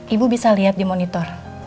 ibu bisa lihat di monitor